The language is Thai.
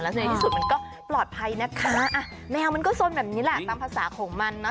ในที่สุดมันก็ปลอดภัยนะคะอ่ะแมวมันก็สนแบบนี้แหละตามภาษาของมันเนาะ